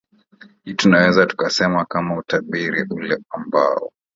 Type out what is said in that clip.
hii tunaweza tukasema kama utabiri ule ambao